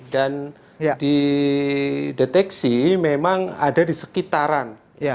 dan dideteksi memang ada di sekitaran